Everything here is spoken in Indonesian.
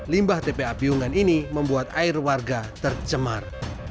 limbah tpa piungan ini membuat air warga tercemar